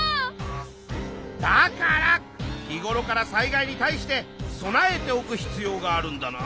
だから日ごろから災害に対して備えておく必要があるんだな。